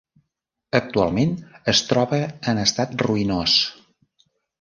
Actualment es troba en estat ruïnós.